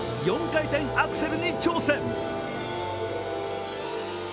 ４回転アクセルに挑戦。